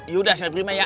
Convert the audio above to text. yaudah saya berima ya